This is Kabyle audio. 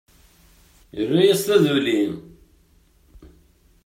Irra-yas taduli.